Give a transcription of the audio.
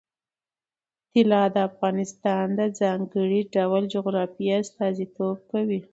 طلا د افغانستان د ځانګړي ډول جغرافیه استازیتوب کوي.